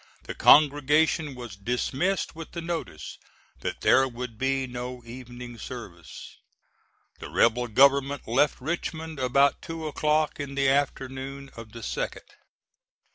The congregation was dismissed with the notice that there would be no evening service. The rebel government left Richmond about two o'clock in the afternoon of the 2d.